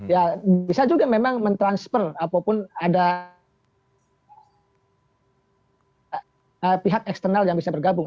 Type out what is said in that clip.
ya bisa juga memang mentransfer apapun ada pihak eksternal yang bisa bergabung